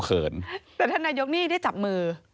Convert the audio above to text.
แต่ท่านายกเนี่ยเนี่ยได้จับมือ